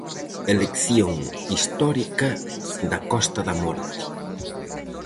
Elección histórica da Costa da Morte.